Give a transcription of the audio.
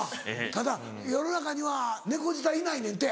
ただ世の中には猫舌いないねんて。